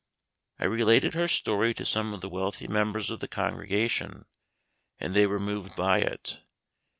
I related her story to some of the wealthy members of the congregation, and they were moved by it.